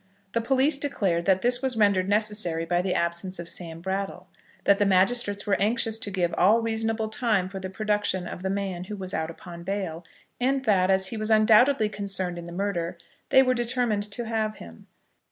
The police declared that this was rendered necessary by the absence of Sam Brattle, that the magistrates were anxious to give all reasonable time for the production of the man who was out upon bail, and that, as he was undoubtedly concerned in the murder, they were determined to have him.